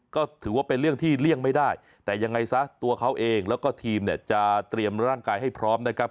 ก็ถือว่าเป็นเรื่องที่เลี่ยงไม่ได้แต่ยังไงซะตัวเขาเองแล้วก็ทีมเนี่ยจะเตรียมร่างกายให้พร้อมนะครับ